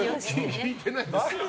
聞いてないです。